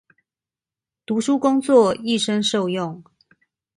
讀書工作，一生受用